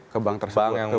ke bank tersebut